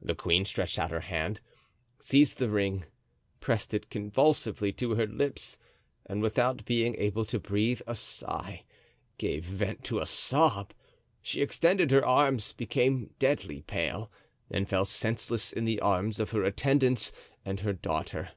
The queen stretched out her hand, seized the ring, pressed it convulsively to her lips—and without being able to breathe a sigh, to give vent to a sob, she extended her arms, became deadly pale, and fell senseless in the arms of her attendants and her daughter.